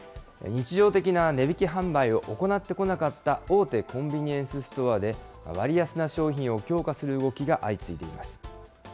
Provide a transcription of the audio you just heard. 日常的な値引き販売を行ってこなかった大手コンビニエンスストアで、割安な商品を強化する動きが相次いでいます。